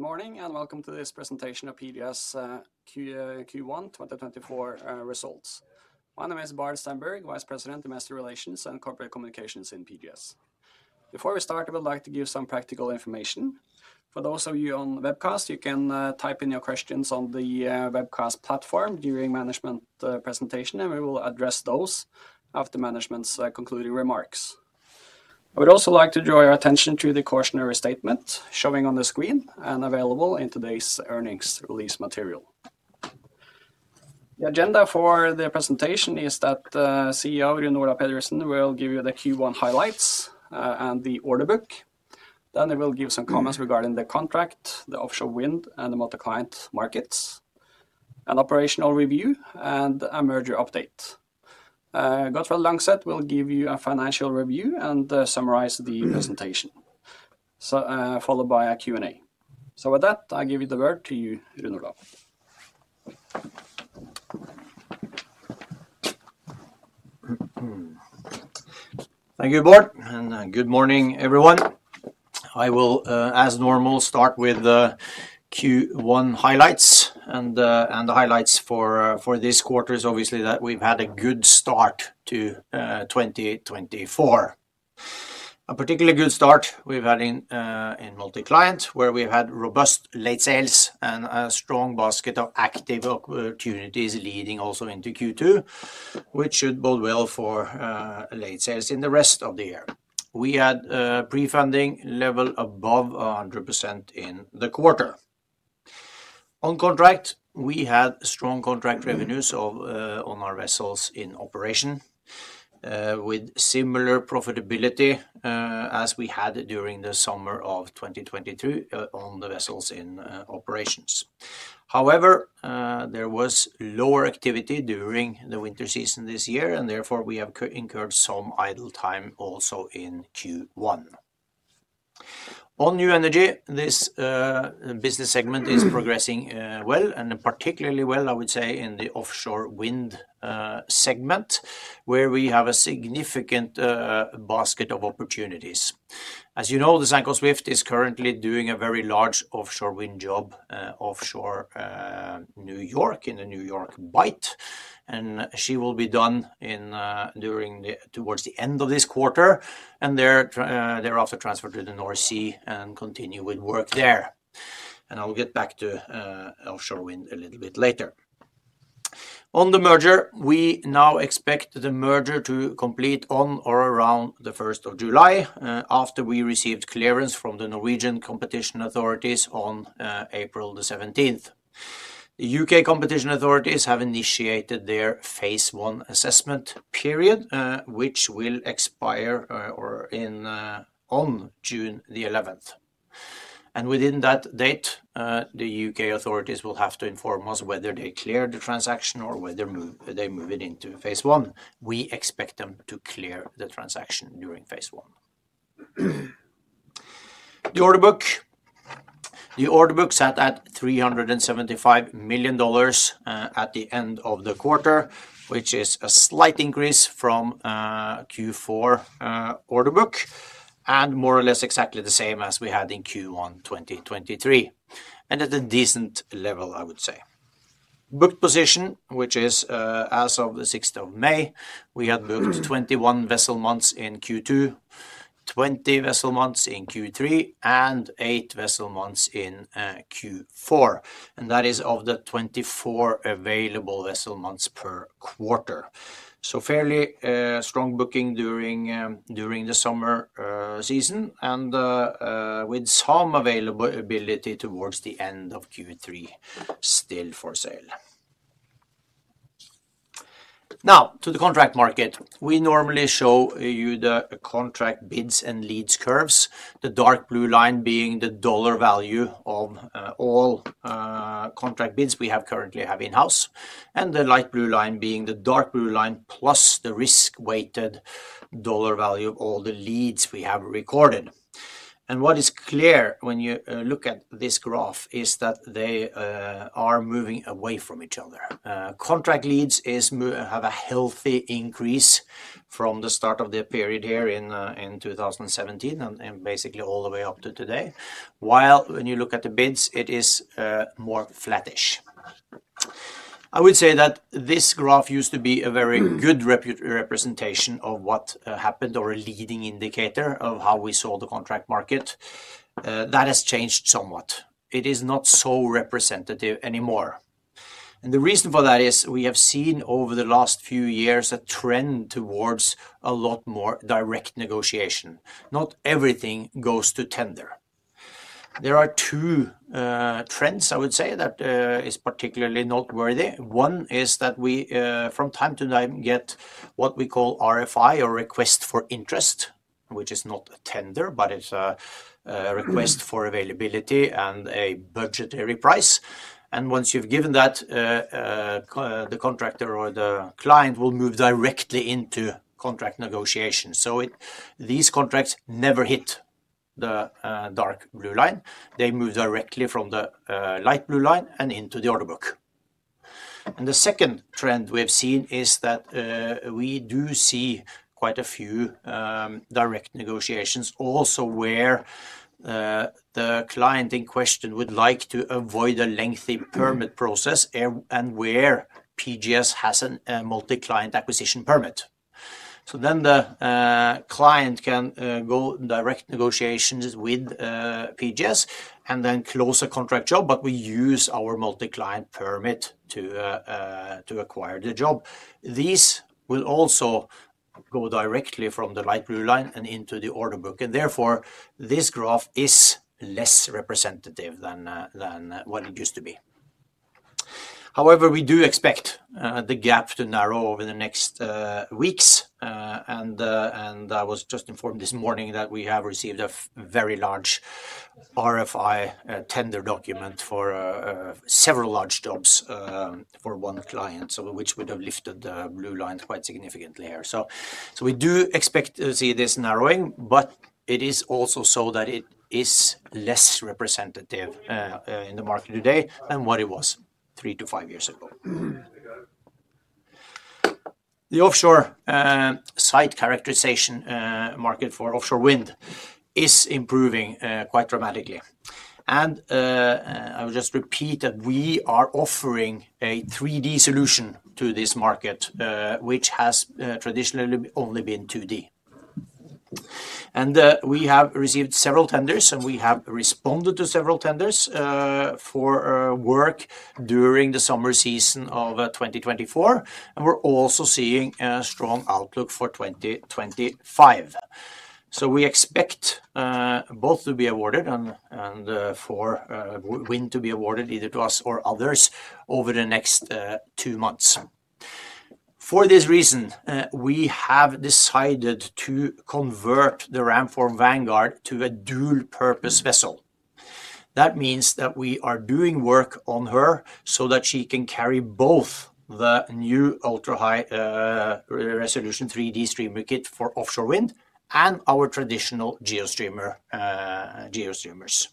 Good morning and welcome to this presentation of PGS Q1 2024 Results. My name is Bård Stenberg, Vice President of Investor Relations and Corporate Communications in PGS. Before we start, I would like to give some practical information. For those of you on the webcast, you can type in your questions on the webcast platform during management's presentation, and we will address those after management's concluding remarks. I would also like to draw your attention to the cautionary statement showing on the screen and available in today's earnings release material. The agenda for the presentation is that CEO Rune Olav Pedersen will give you the Q1 highlights and the order book. Then he will give some comments regarding the contract, the offshore wind, and the multi-client markets, an operational review, and a merger update. Gottfred Langseth will give you a financial review and summarize the presentation, followed by a Q&A. With that, I give you the word to you, Rune Olav. Thank you, Bård, and good morning, everyone. I will, as normal, start with Q1 highlights and the highlights for this quarter, obviously, that we've had a good start to 2024. A particularly good start we've had in multi-client, where we've had robust late sales and a strong basket of active opportunities leading also into Q2, which should bode well for late sales in the rest of the year. We had pre-funding level above 100% in the quarter. On contract, we had strong contract revenues on our vessels in operation, with similar profitability as we had during the summer of 2023 on the vessels in operations. However, there was lower activity during the winter season this year, and therefore we have incurred some idle time also in Q1. On New Energy, this business segment is progressing well, and particularly well, I would say, in the offshore wind segment, where we have a significant basket of opportunities. As you know, the Sanco Swift is currently doing a very large offshore wind job offshore New York in the New York Bight, and she will be done towards the end of this quarter, and thereafter transferred to the North Sea and continue with work there. And I'll get back to offshore wind a little bit later. On the merger, we now expect the merger to complete on or around the 1st of July, after we received clearance from the Norwegian competition authorities on April the 17th. The U.K. competition authorities have initiated their Phase 1 assessment period, which will expire on June the 11th. Within that date, the U.K. authorities will have to inform us whether they clear the transaction or whether they move it into Phase 1. We expect them to clear the transaction during Phase 1. The order book. The order book sat at $375 million at the end of the quarter, which is a slight increase from Q4 order book and more or less exactly the same as we had in Q1 2023, and at a decent level, I would say. Booked position, which is as of the 6th of May, we had booked 21 vessel months in Q2, 20 vessel months in Q3, and eight vessel months in Q4, and that is of the 24 available vessel months per quarter. So fairly strong booking during the summer season, and with some availability towards the end of Q3 still for sale. Now to the contract market. We normally show you the contract bids and leads curves, the dark blue line being the dollar value of all contract bids we currently have in-house, and the light blue line being the dark blue line plus the risk-weighted dollar value of all the leads we have recorded. What is clear when you look at this graph is that they are moving away from each other. Contract leads have a healthy increase from the start of the period here in 2017 and basically all the way up to today, while when you look at the bids, it is more flattish. I would say that this graph used to be a very good representation of what happened or a leading indicator of how we saw the contract market. That has changed somewhat. It is not so representative anymore. The reason for that is we have seen over the last few years a trend towards a lot more direct negotiation. Not everything goes to tender. There are two trends, I would say, that is particularly noteworthy. One is that we from time to time get what we call RFI or request for interest, which is not a tender, but it's a request for availability and a budgetary price. Once you've given that, the contractor or the client will move directly into contract negotiation. These contracts never hit the dark blue line. They move directly from the light blue line and into the order book. The second trend we have seen is that we do see quite a few direct negotiations also where the client in question would like to avoid a lengthy permit process and where PGS has a multi-client acquisition permit. So then the client can go direct negotiations with PGS and then close a contract job, but we use our multi-client permit to acquire the job. These will also go directly from the light blue line and into the order book, and therefore this graph is less representative than what it used to be. However, we do expect the gap to narrow over the next weeks, and I was just informed this morning that we have received a very large RFI tender document for several large jobs for one client, so which would have lifted the blue line quite significantly here. So we do expect to see this narrowing, but it is also so that it is less representative in the market today than what it was three to five years ago. The offshore site characterization market for offshore wind is improving quite dramatically. I will just repeat that we are offering a 3D solution to this market, which has traditionally only been 2D. We have received several tenders, and we have responded to several tenders, for work during the summer season of 2024, and we're also seeing a strong outlook for 2025. So we expect both to be awarded and for wind to be awarded either to us or others over the next two months. For this reason, we have decided to convert the Ramform Vanguard to a dual-purpose vessel. That means that we are doing work on her so that she can carry both the new ultra-high resolution 3D streamer kit for offshore wind and our traditional GeoStreamer, GeoStreamers.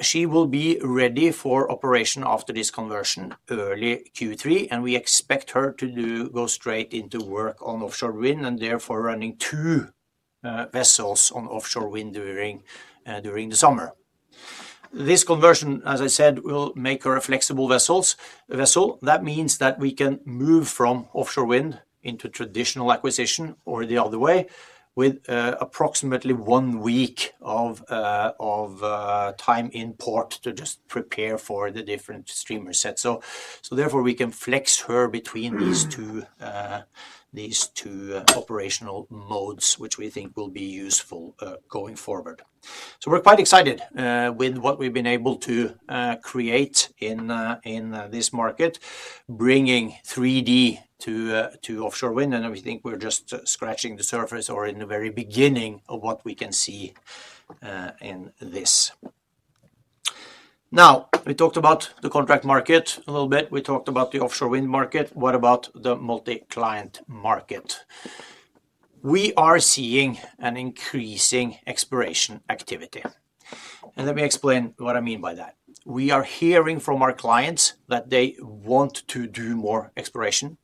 She will be ready for operation after this conversion early Q3, and we expect her to go straight into work on offshore wind and therefore running two vessels on offshore wind during the summer. This conversion, as I said, will make her a flexible vessel. That means that we can move from offshore wind into traditional acquisition or the other way with approximately one week of time in port to just prepare for the different streamer sets. So therefore we can flex her between these two operational modes, which we think will be useful going forward. So we're quite excited with what we've been able to create in this market, bringing 3D to offshore wind, and we think we're just scratching the surface or in the very beginning of what we can see in this. Now we talked about the contract market a little bit. We talked about the offshore wind market. What about the multi-client market? We are seeing an increasing exploration activity. And let me explain what I mean by that. We are hearing from our clients that they want to do more exploration.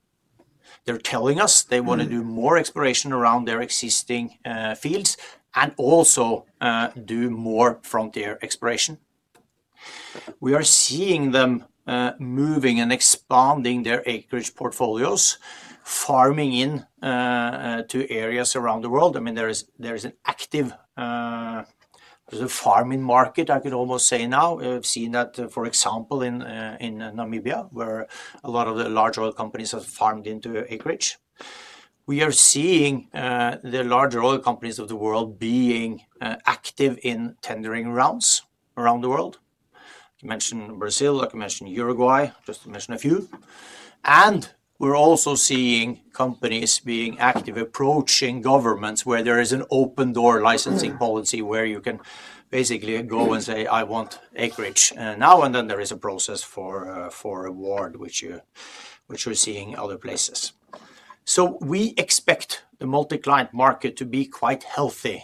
They're telling us they want to do more exploration around their existing fields and also do more frontier exploration. We are seeing them moving and expanding their acreage portfolios, farming in to areas around the world. I mean, there is an active farming market, I could almost say now. I've seen that, for example, in Namibia, where a lot of the large oil companies have farmed into acreage. We are seeing the larger oil companies of the world being active in tendering rounds around the world. I can mention Brazil. I can mention Uruguay, just to mention a few. We're also seeing companies being active, approaching governments where there is an open door licensing policy where you can basically go and say, I want acreage now and then there is a process for award, which we're seeing other places. So we expect the multi-client market to be quite healthy,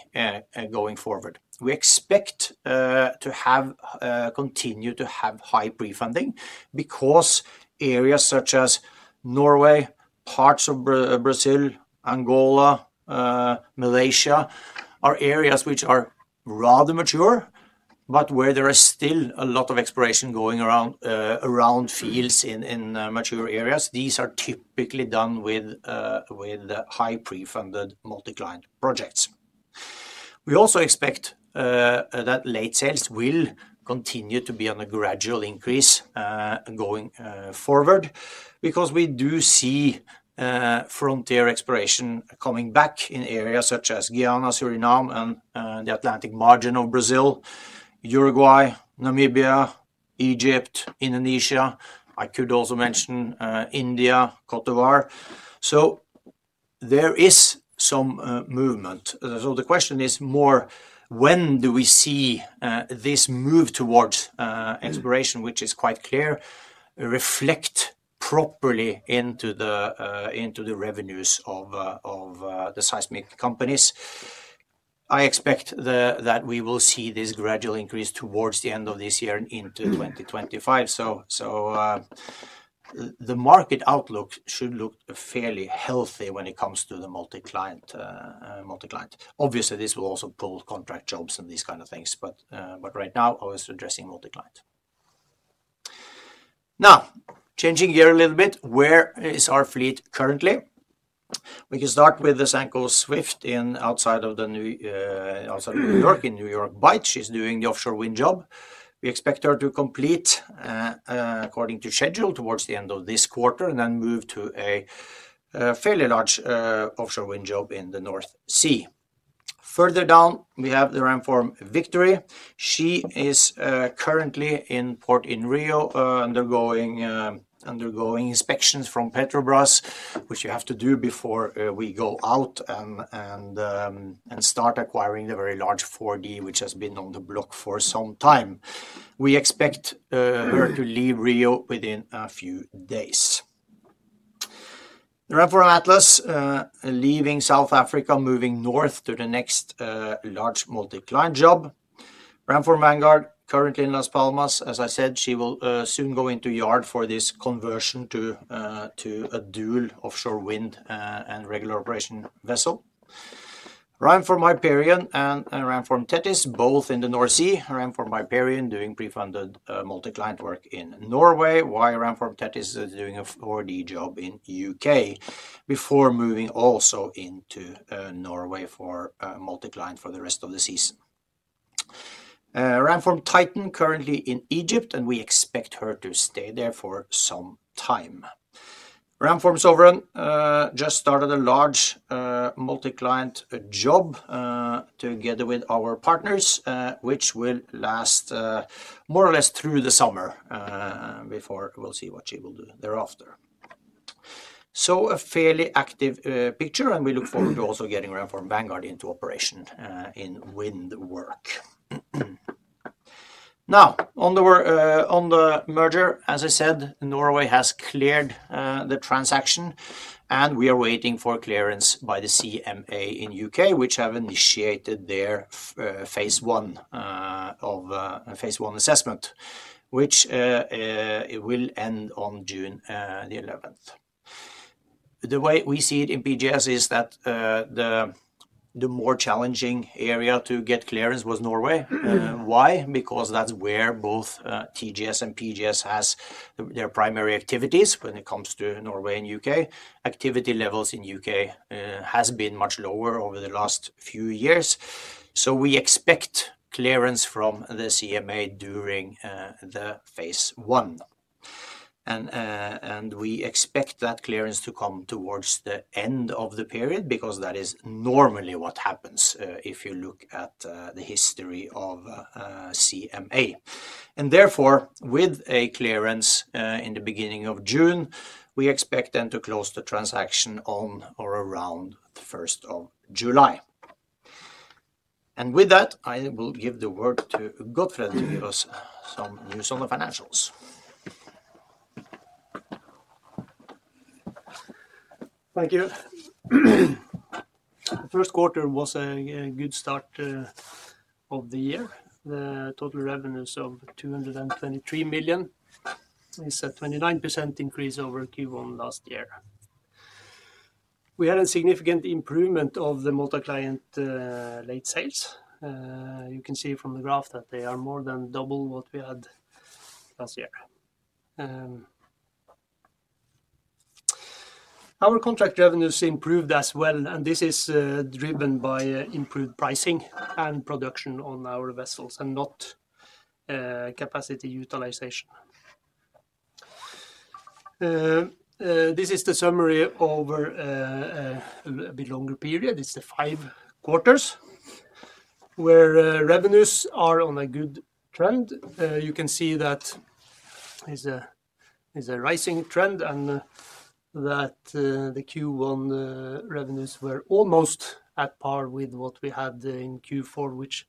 going forward. We expect to continue to have high pre-funding because areas such as Norway, parts of Brazil, Angola, Malaysia are areas which are rather mature, but where there is still a lot of exploration going around fields in mature areas. These are typically done with high pre-funded multi-client projects. We also expect that late sales will continue to be on a gradual increase going forward because we do see frontier exploration coming back in areas such as Guyana, Suriname, and the Atlantic Margin of Brazil, Uruguay, Namibia, Egypt, Indonesia. I could also mention India, Côte d'Ivoire. So there is some movement. So the question is more when do we see this move towards exploration, which is quite clear, reflect properly into the revenues of the seismic companies? I expect that we will see this gradual increase towards the end of this year and into 2025. So the market outlook should look fairly healthy when it comes to the multi-client multi-client. Obviously, this will also pull contract jobs and these kind of things, but right now I was addressing multi-client. Now changing gear a little bit. Where is our fleet currently? We can start with the Sanco Swift outside of New York, in the New York Bight. She's doing the offshore wind job. We expect her to complete according to schedule towards the end of this quarter and then move to a fairly large offshore wind job in the North Sea. Further down, we have the Ramform Victory. She is currently in port in Rio, undergoing inspections from Petrobras, which you have to do before we go out and start acquiring the very large 4D, which has been on the block for some time. We expect her to leave Rio within a few days. The Ramform Atlas leaving South Africa, moving north to the next large multi-client job. Ramform Vanguard currently in Las Palmas. As I said, she will soon go into yard for this conversion to a dual offshore wind and regular operation vessel. Ramform Hyperion and Ramform Tethys, both in the North Sea. Ramform Hyperion doing pre-funded multi-client work in Norway. While Ramform Tethys is doing a 4D job in U.K. before moving also into Norway for multi-client for the rest of the season. Ramform Titan currently in Egypt, and we expect her to stay there for some time. Ramform Sovereign just started a large multi-client job together with our partners, which will last more or less through the summer, before we'll see what she will do thereafter. So a fairly active picture, and we look forward to also getting Ramform Vanguard into operation in wind work. Now, on the merger, as I said, Norway has cleared the transaction, and we are waiting for clearance by the CMA in the U.K., which have initiated their Phase 1 assessment, which will end on June 11. The way we see it in PGS is that the more challenging area to get clearance was Norway. Why? Because that's where both TGS and PGS has their primary activities when it comes to Norway and U.K. Activity levels in U.K. has been much lower over the last few years. So we expect clearance from the CMA during the Phase 1. And we expect that clearance to come towards the end of the period because that is normally what happens if you look at the history of CMA. Therefore, with a clearance in the beginning of June, we expect then to close the transaction on or around the 1st of July. And with that, I will give the word to Gottfred to give us some news on the financials. Thank you. The first quarter was a good start of the year. The total revenues of $223 million is a 29% increase over Q1 last year. We had a significant improvement of the multi-client late sales. You can see from the graph that they are more than double what we had last year. Our contract revenues improved as well, and this is driven by improved pricing and production on our vessels and not capacity utilization. This is the summary over a bit longer period. It's the five quarters where revenues are on a good trend. You can see that is a rising trend and that, the Q1 revenues were almost at par with what we had in Q4, which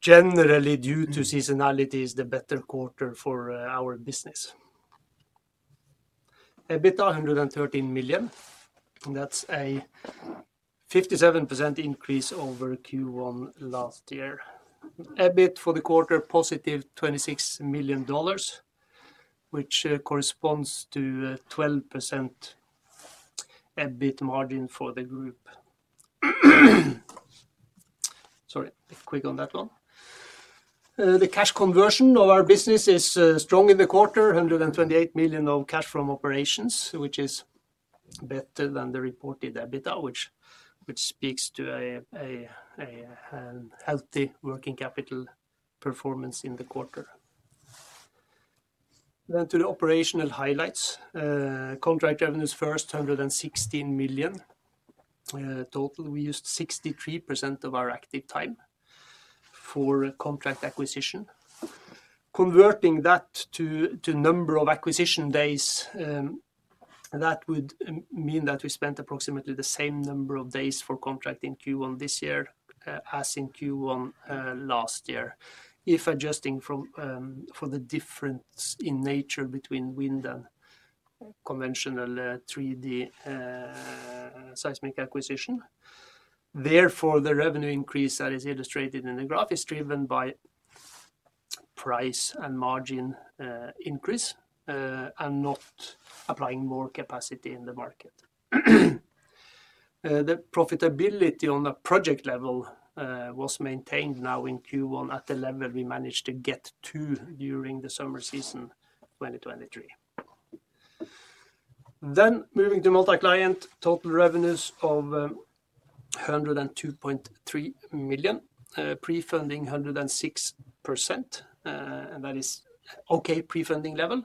generally, due to seasonality, is the better quarter for our business. EBITDA $113 million. That's a 57% increase over Q1 last year. EBIT for the quarter positive $26 million, which corresponds to a 12% EBIT margin for the group. Sorry, a quick on that one. The cash conversion of our business is strong in the quarter, $128 million of cash from operations, which is better than the reported EBITDA, which speaks to a healthy working capital performance in the quarter. Then to the operational highlights, contract revenues first $116 million. Total, we used 63% of our active time for contract acquisition. Converting that to the number of acquisition days, that would mean that we spent approximately the same number of days for contract in Q1 this year, as in Q1 last year, if adjusting for the difference in nature between wind and conventional 3D seismic acquisition. Therefore, the revenue increase that is illustrated in the graph is driven by price and margin increase, and not applying more capacity in the market. The profitability on a project level was maintained now in Q1 at the level we managed to get to during the summer season 2023. Then moving to multi-client, total revenues of $102.3 million. Pre-funding 106%, and that is okay pre-funding level.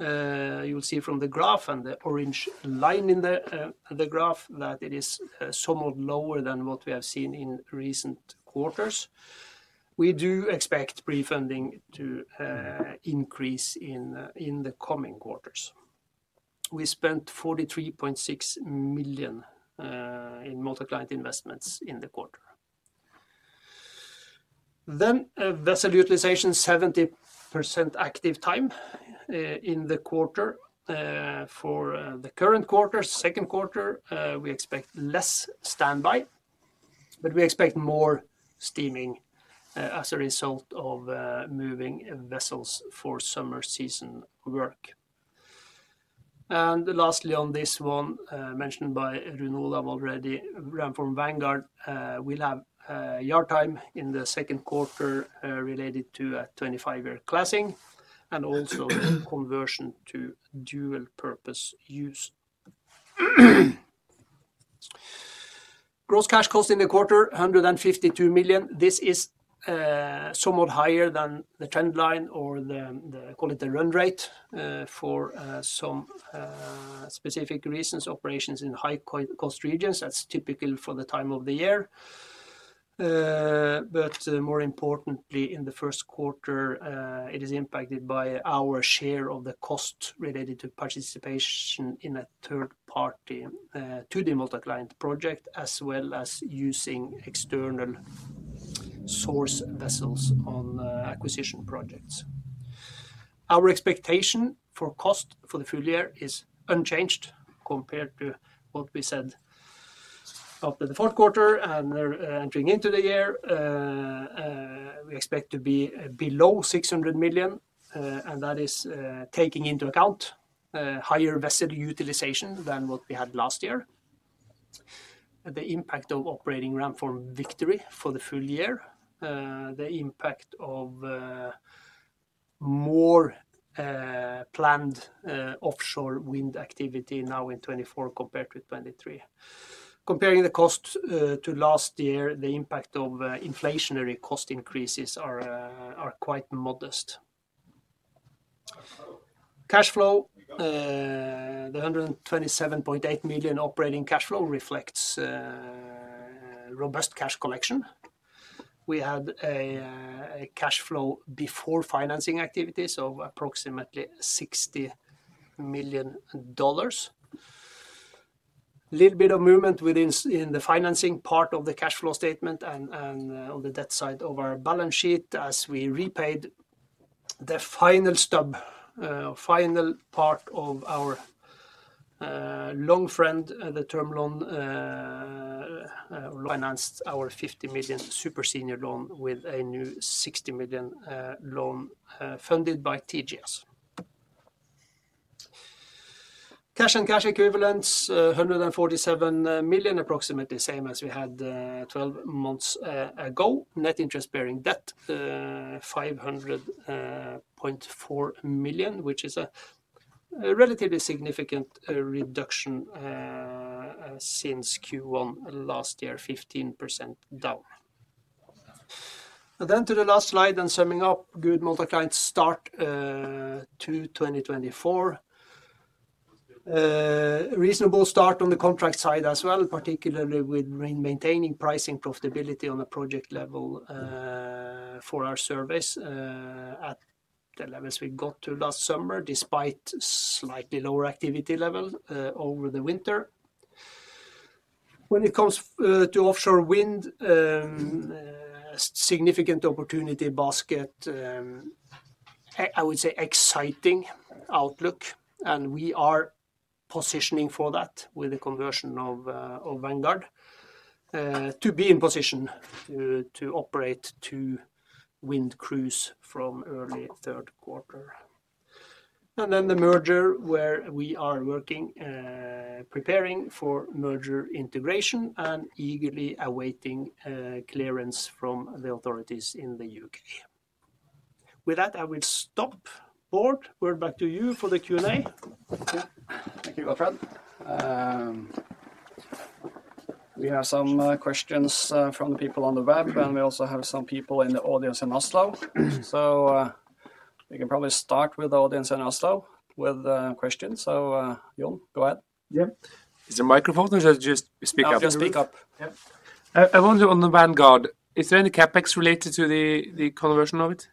You'll see from the graph and the orange line in the graph that it is somewhat lower than what we have seen in recent quarters. We do expect pre-funding to increase in the coming quarters. We spent $43.6 million in multi-client investments in the quarter. Then, vessel utilization 70% active time in the quarter. For the current quarter, second quarter, we expect less standby, but we expect more steaming, as a result of moving vessels for summer season work. And lastly on this one, mentioned by Rune Olav already, Ramform Vanguard will have yard time in the second quarter, related to a 25-year classing and also conversion to dual-purpose use. Gross cash cost in the quarter $152 million. This is somewhat higher than the trend line or the, the call it the run rate, for some specific reasons. Operations in high-cost regions, that's typical for the time of the year. But more importantly, in the first quarter, it is impacted by our share of the cost related to participation in a third party to the multi-client project, as well as using external source vessels on acquisition projects. Our expectation for cost for the full year is unchanged compared to what we said after the fourth quarter and entering into the year. We expect to be below $600 million. That is, taking into account higher vessel utilization than what we had last year. The impact of operating Ramform Victory for the full year, the impact of more planned offshore wind activity now in 2024 compared with 2023. Comparing the cost to last year, the impact of inflationary cost increases are quite modest. Cash flow, the $127.8 million operating cash flow reflects robust cash collection. We had a cash flow before financing activities of approximately $60 million. A little bit of movement within the financing part of the cash flow statement and on the debt side of our balance sheet as we repaid the final stub, or final part of our long-term term loan. Financed our $50 million super senior loan with a new $60 million loan, funded by TGS. Cash and cash equivalents, $147 million, approximately same as we had 12 months ago. Net interest bearing debt, $500.4 million, which is a relatively significant reduction since Q1 last year, 15% down. And then to the last slide and summing up, good multi-client start to 2024. Reasonable start on the contract side as well, particularly with maintaining pricing profitability on a project level for our service at the levels we got to last summer despite slightly lower activity level over the winter. When it comes to offshore wind, significant opportunity basket, I would say exciting outlook. And we are positioning for that with the conversion of Vanguard to be in position to operate two wind crews from early third quarter. And then the merger where we are working, preparing for merger integration and eagerly awaiting clearance from the authorities in the U.K. With that, I will stop Bård. Word back to you for the Q&A. Thank you, Gottfred. We have some questions from the people on the web and we also have some people in the audience in Oslo. So, we can probably start with the audience in Oslo with questions. So, Jon, go ahead. Yep. Is the microphone or just speak up? I'll just speak up. Yep. I wonder on the Vanguard, is there any CapEx related to the conversion of it?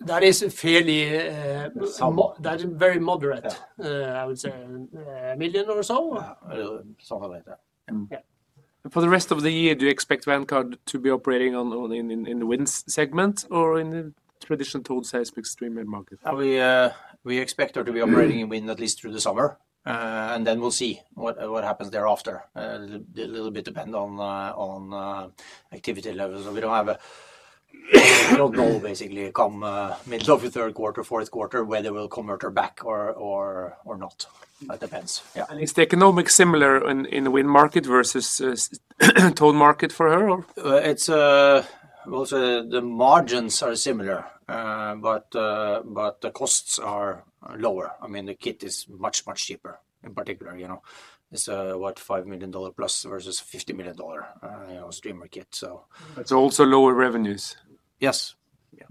That is fairly, that is very moderate, I would say, a million or so. Something like that. Yeah. For the rest of the year, do you expect Vanguard to be operating in the wind segment or in the traditional towed seismic streamer market? We expect her to be operating in wind at least through the summer. And then we'll see what happens thereafter. A little bit depends on activity levels. So we don't have a, we don't know basically come middle of the third quarter, fourth quarter whether we'll convert her back or not. That depends. Yeah. And is the economics similar in the wind market versus towed market for her or? It's also the margins are similar, but the costs are lower. I mean, the kit is much cheaper in particular, you know. It's what, $5 million plus versus $50 million, you know, streamer kit. So it's also lower revenues. Yes.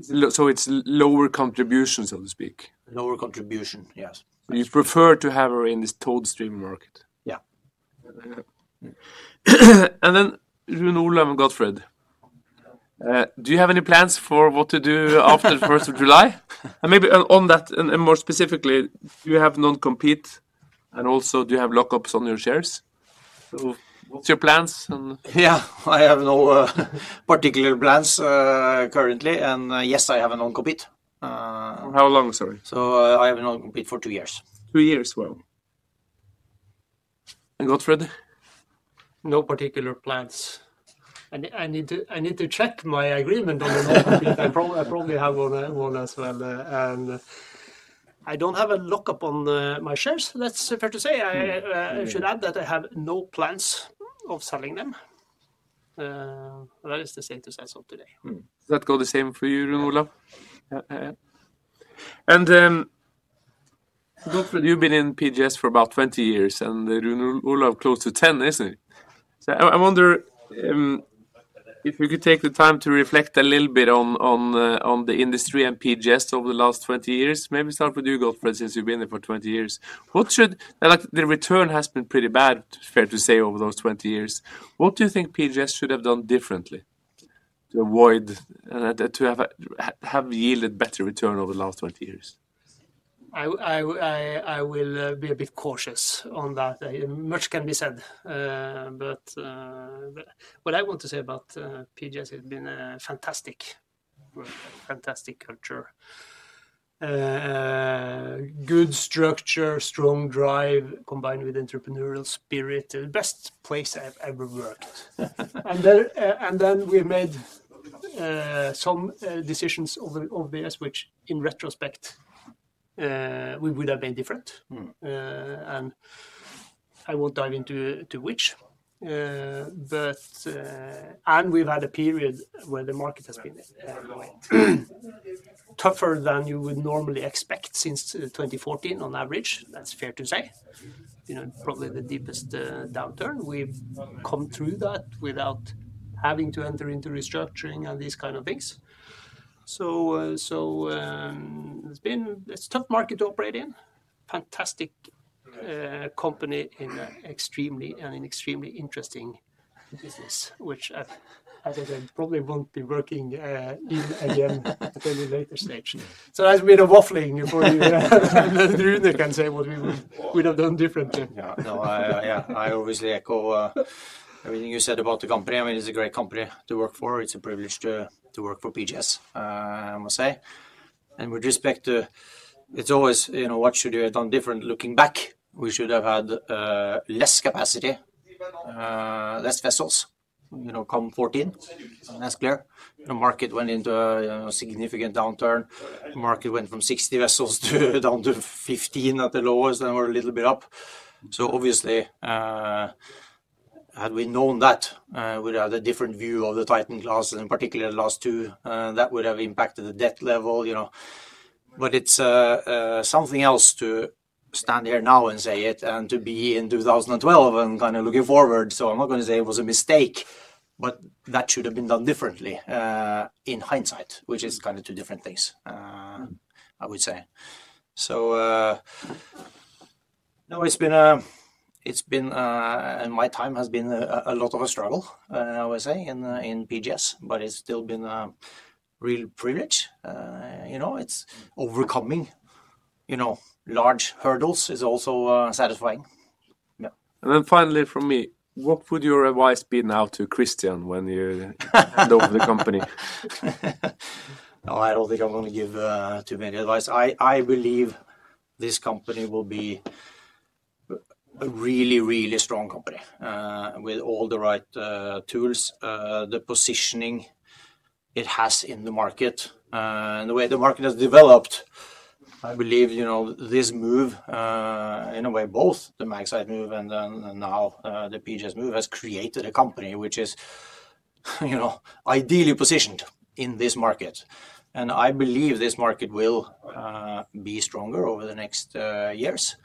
Yeah. So it's lower contribution, so to speak. Lower contribution, yes. You prefer to have her in this towed streamer market. Yeah. And then Rune Olav and Gottfred, do you have any plans for what to do after the 1st of July? And maybe on that, and more specifically, do you have non-compete and also do you have lockups on your shares? So what's your plans? And? Yeah, I have no particular plans, currently. And yes, I have a non-compete. How long, sorry? So I have a non-compete for two years. Two years, wow. And Gottfred? No particular plans. And I need to check my agreement on the non-compete. I probably have one as well. And I don't have a lockup on my shares, that's fair to say. I should add that I have no plans of selling them. That is the status as of today. Does that go the same for you, Rune Olav? Yeah, yeah, yeah. And, Gottfred, you've been in PGS for about 20 years and Rune Olav close to 10, isn't it? So I wonder if you could take the time to reflect a little bit on the industry and PGS over the last 20 years. Maybe start with you, Gottfred, since you've been there for 20 years. What should, like, the return has been pretty bad, fair to say, over those 20 years. What do you think PGS should have done differently to avoid, to have yielded better return over the last 20 years? I will be a bit cautious on that. Much can be said. But what I want to say about PGS is that it's been a fantastic, fantastic culture. Good structure, strong drive combined with entrepreneurial spirit. The best place I've ever worked. And then, and then we made some decisions over the years, which in retrospect we would have been different. And I won't dive into which. But we've had a period where the market has been quite tougher than you would normally expect since 2014 on average. That's fair to say. You know, probably the deepest downturn. We've come through that without having to enter into restructuring and these kinds of things. So it's been a tough market to operate in. Fantastic company in an extremely interesting business, which I think I probably won't be working in again at any later stage. So that's a bit of waffling before you, Rune, can say what we would have done differently. Yeah. No, I, yeah, I obviously echo everything you said about the company. I mean, it's a great company to work for. It's a privilege to work for PGS, I must say. And with respect to, it's always, you know, what should we have done different looking back? We should have had less capacity, less vessels, you know, come 2014. And that's clear. The market went into, you know, significant downturn. The market went from 60 vessels to down to 15 at the lowest and were a little bit up. So obviously, had we known that, we'd have a different view of the Titan class and in particular the last two, that would have impacted the debt level, you know. But it's something else to stand here now and say it and to be in 2012 and kind of looking forward. So I'm not going to say it was a mistake, but that should have been done differently, in hindsight, which is kind of two different things, I would say. So, no, it's been, it's been, and my time has been a lot of a struggle, I would say, in PGS, but it's still been a real privilege. You know, it's overcoming, you know, large hurdles is also satisfying. Yeah. And then finally from me, what would your advice be now to Kristian when you hand over the company? Oh, I don't think I'm going to give too many advice. I, I believe this company will be a really, really strong company, with all the right tools, the positioning it has in the market, and the way the market has developed. I believe, you know, this move, in a way, both the Magseis move and then now, the PGS move has created a company which is, you know, ideally positioned in this market. And I believe this market will be stronger over the next years,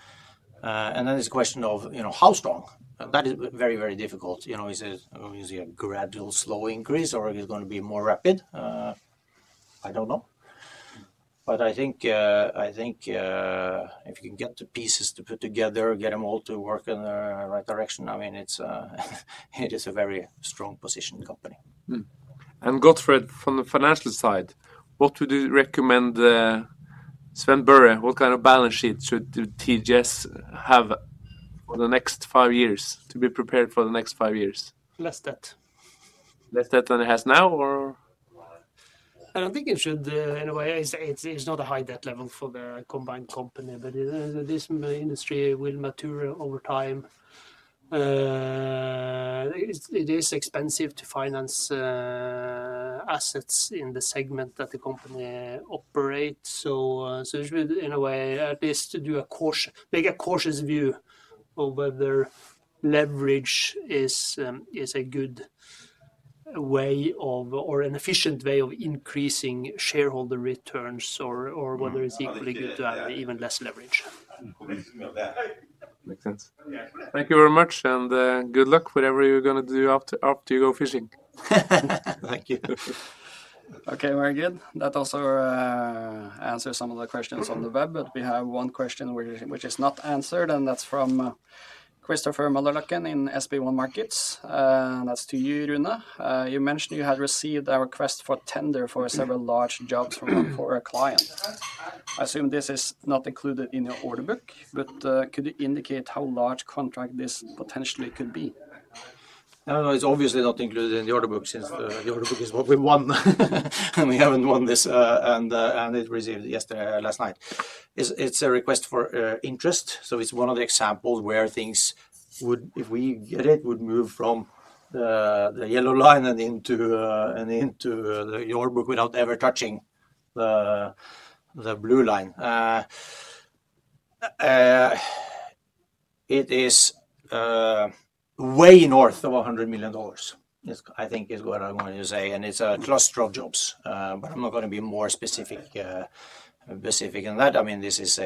and then it's a question of, you know, how strong. That is very, very difficult. You know, is it obviously a gradual, slow increase or is it going to be more rapid? I don't know. But I think, I think, if you can get the pieces to put together, get them all to work in the right direction, I mean, it's, it is a very strong positioned company. And Gottfred, from the financial side, what would you recommend, Sven Børre, what kind of balance sheet should TGS have for the next five years to be prepared for the next five years? Less debt. Less debt than it has now or? I don't think it should in a way. It's, it's, it's not a high debt level for the combined company, but this industry will mature over time. It is expensive to finance assets in the segment that the company operates. So, so it should in a way, at least do a cautious, make a cautious view of whether leverage is, is a good way of, or an efficient way of increasing shareholder returns or, or whether it's equally good to have even less leverage. Makes sense. Thank you very much and, good luck whatever you're going to do after, after you go fishing. Thank you. Okay, very good. That also answers some of the questions on the web, but we have one question which is not answered and that's from Christopher Møllerløkken in SpareBank 1 Markets. That's to you, Rune. You mentioned you had received a request for interest for several large jobs for a client. I assume this is not included in your order book, but could you indicate how large contract this potentially could be? No, no, it's obviously not included in the order book since the order book is what we won and we haven't won this, and we received yesterday, last night. It's a request for interest. So it's one of the examples where things, if we get it, would move from the yellow line and into the order book without ever touching the blue line. It is way north of $100 million. It's, I think, what I want to say. And it's a cluster of jobs. But I'm not going to be more specific than that. I mean, this is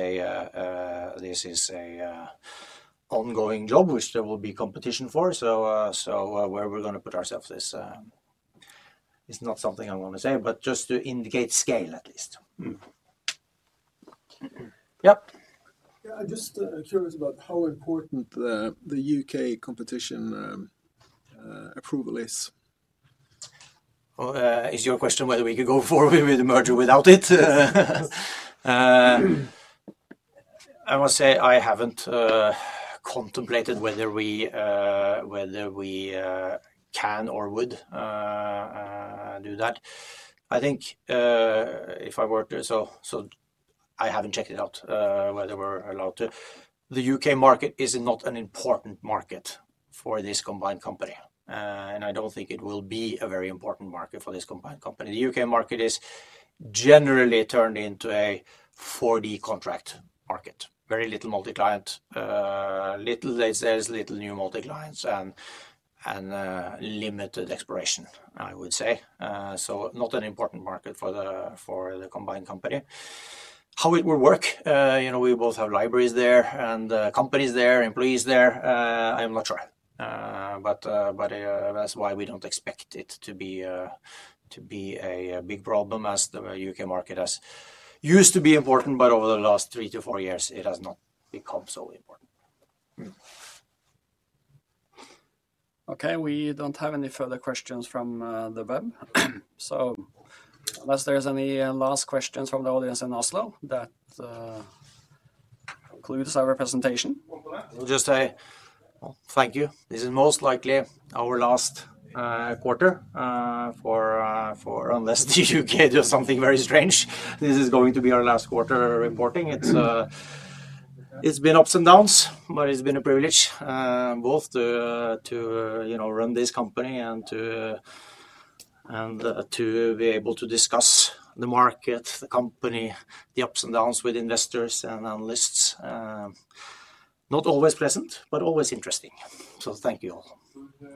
an ongoing job which there will be competition for. So, where we're going to put ourselves, this is not something I want to say, but just to indicate scale at least. Yep. Yeah, I'm just curious about how important the U.K. competition approval is. Well, is your question whether we could go forward with the merger without it? I must say I haven't contemplated whether we can or would do that. I think, if I were to, so I haven't checked it out whether we're allowed to. The U.K. market is not an important market for this combined company. I don't think it will be a very important market for this combined company. The U.K. market is generally turned into a 4D contract market. Very little multi-client. There's little new multi-client and limited exploration, I would say. So not an important market for the combined company. How it will work, you know, we both have libraries there and companies there, employees there. I'm not sure. But that's why we don't expect it to be a big problem as the U.K. market used to be important, but over the last three to four years it has not become so important. Okay, we don't have any further questions from the web. So unless there's any last questions from the audience in Oslo, that concludes our presentation. We'll just say, well, thank you. This is most likely our last quarter for unless the U.K. does something very strange. This is going to be our last quarter reporting. It's been ups and downs, but it's been a privilege, both to you know, run this company and to be able to discuss the market, the company, the ups and downs with investors and analysts. Not always pleasant, but always interesting. So thank you all.